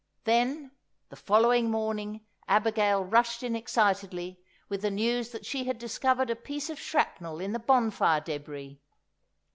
Then the following morning Abigail rushed in excitedly with the news that she had discovered a piece of shrapnel in the bonfire débris.